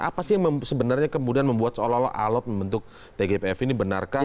apa sih yang sebenarnya kemudian membuat seolah olah alat membentuk tgpf ini benarkah